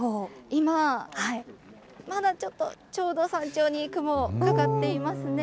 今、まだちょっと、ちょうど山頂に雲、かかっていますね。